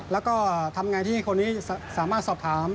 แล้วก็ทำไงที่คนนี้สามารถสอบถาม